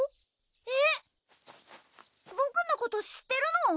えっ僕のこと知ってるの？